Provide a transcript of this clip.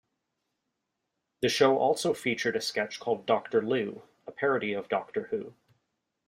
The show also featured a sketch called Doctor Loo, a parody of "Doctor Who".